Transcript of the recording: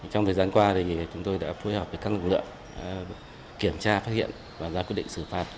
trong thời gian qua chúng tôi đã phối hợp với các lực lượng kiểm tra phát hiện và ra quyết định xử phạt